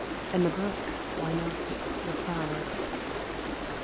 and the brook, why not? replies.